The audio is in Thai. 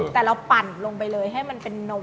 แต่เราปั่นลงไปเลยให้มันเป็นนม